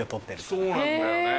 そうなんだよね。